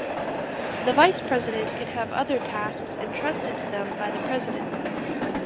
The vice president can have other tasks entrusted to them by the president.